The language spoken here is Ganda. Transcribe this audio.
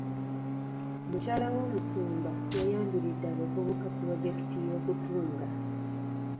Mukyala w'omusumba yayanjulidde abavubuka pulojekiti y'okutunga.